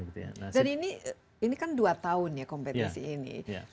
jadi ini kan dua tahun ya kompetisi ini